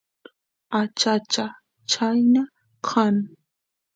achacha chayna kan